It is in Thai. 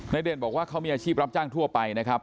เด่นบอกว่าเขามีอาชีพรับจ้างทั่วไปนะครับ